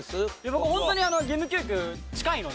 僕ホントに義務教育近いので。